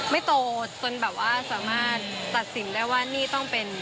โตจนแบบว่าสามารถตัดสินได้ว่านี่ต้องเป็น